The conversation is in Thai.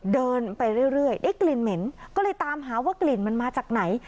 เดินไปเรื่อยได้กลิ่นเหม็นก็เลยตามหาว่ากลิ่นมันมาจากไหน